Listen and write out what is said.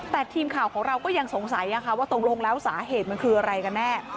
แต่ทีมข่าวของเราก็ยังสงสัยว่าตกลงแล้วสาเหตุมันคืออะไรกันแน่